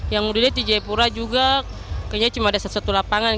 yang dilihat di jayapura juga kayaknya cuma ada satu satu lapangan